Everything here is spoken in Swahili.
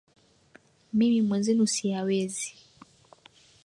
Mimi mwenzenu siyawezi